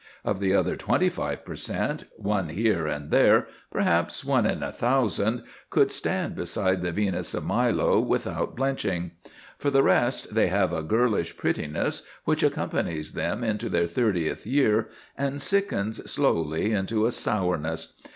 Of the other twenty five per cent., one here and there perhaps one in a thousand could stand beside the Venus of Milo without blenching. For the rest, they have a girlish prettiness which accompanies them into their thirtieth year, and sickens slowly into a sourness.